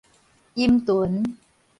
陰脣